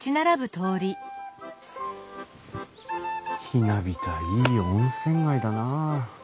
ひなびたいい温泉街だなあ。